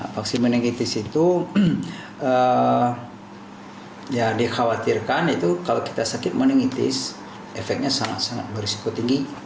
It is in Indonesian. vaksin meningitis itu ya dikhawatirkan itu kalau kita sakit meningitis efeknya sangat sangat berisiko tinggi